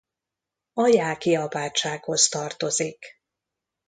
A jáki apátsághoz tartozik.